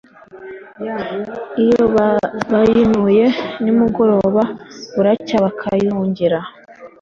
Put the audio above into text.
iyo bayinuye ni mugoroba, buracya bakayahungira